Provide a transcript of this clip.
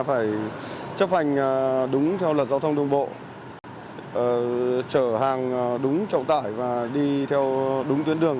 phải chấp hành đúng theo luật giao thông đường bộ trở hàng đúng trọng tải và đi theo đúng tuyến đường